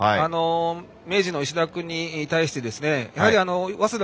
明治の石田君に対してやはり早稲田